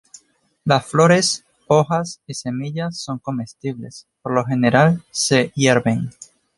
Las flores, hojas y semillas son comestibles, por lo general se hierven.